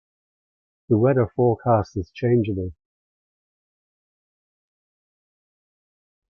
The weather forecast is changeable.